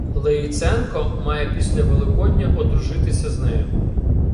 Леїценко має після Великодня одружитися з нею.